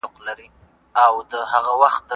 څه ورېښمین شالونه لوټ کړل غدۍ ورو ورو